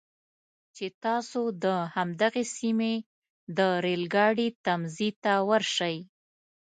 چې تاسو د همدغې سیمې د ریل ګاډي تمځي ته ورشئ.